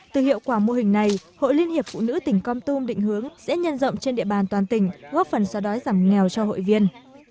từ hiệu quả mô hình này hội liên hiệp phụ nữ tỉnh con tum định hướng sẽ nhân rộng trên địa bàn toàn tỉnh góp phần xóa đói giảm nghèo cho hội viên